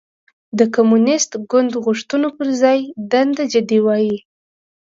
د کمونېست ګوند غوښتنو پر ځای دنده جدي وای.